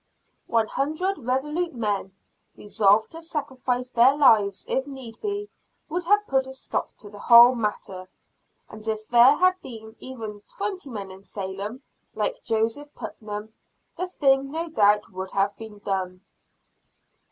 One hundred resolute men, resolved to sacrifice their lives if need be, would have put a stop to the whole matter. And if there had been even twenty men in Salem, like Joseph Putnam, the thing no doubt would have been done.